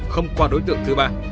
không qua đối tượng thứ ba